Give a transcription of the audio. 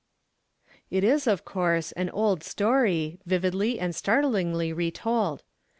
It is, of course, an old story, vividly and startlingly retold.